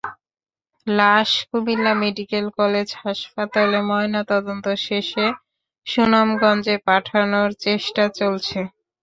লাশ Comilla medical college হাসপাতালে ময়নাতদন্ত শেষে সুনামগঞ্জে পাঠানোর চেষ্টা চলছে।